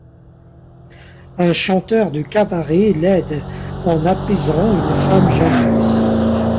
Un chanteur de cabaret l'aide, en apaisant une femme jalouse.